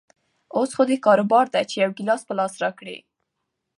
اوس خو دکار بار ده چې يو ګيلاس په لاس راکړي.